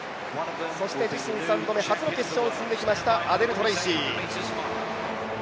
そして自身３度目、初の決勝に進んできましたアデル・トレイシー。